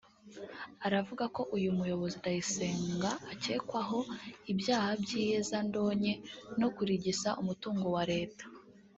aravuga ko uyu muyobozi Ndayisenga akekwaho ibyaha by’iyezandonke no kurigisa umutungo wa Leta